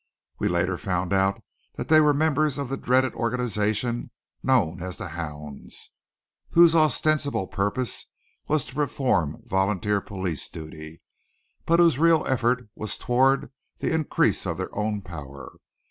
We later found that they were members of that dreaded organization known as The Hounds, whose ostensible purpose was to perform volunteer police duty, but whose real effort was toward the increase of their own power.